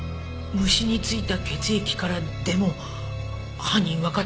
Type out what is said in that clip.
虫に付いた血液からでも犯人わかっちまうのかい？